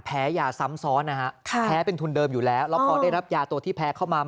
แพ้ยาซ้ำซ้อนนะฮะ